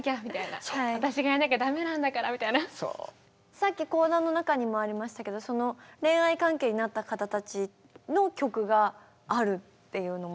さっき講談の中にもありましたけど恋愛関係になった方たちの曲があるっていうのも。